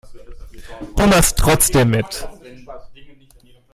Du machst trotzdem mit.